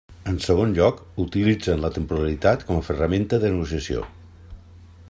En segon lloc, utilitzen la temporalitat com a ferramenta de negociació.